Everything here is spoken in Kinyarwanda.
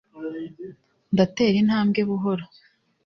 ndatera intambwe buhoro